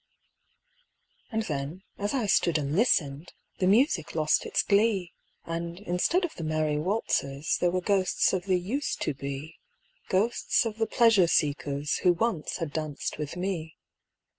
And then, as I stood and listened, The music lost its glee; And instead of the merry waltzers There were ghosts of the Used to be Ghosts of the pleasure seekers Who once had danced with me.